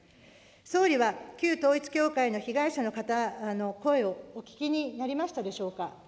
総理は旧統一教会の被害者の方の声をお聞きになりましたでしょうか。